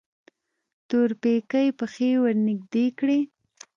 تورپيکۍ پښې ورنږدې کړې.